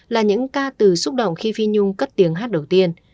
là những ca từ xúc động khi phi nhung cất tiếng hát đầu tiên